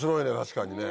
確かにね。